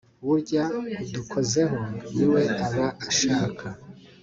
burya udukozeho ni we aba ashaka